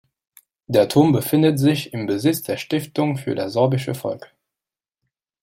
Der Turm befindet sich im Besitz der Stiftung für das sorbische Volk.